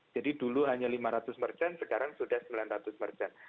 jadi dulu hanya lima ratus marjan sekarang sudah sembilan ratus marjan